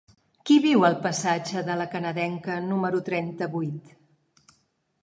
Qui viu al passatge de La Canadenca número trenta-vuit?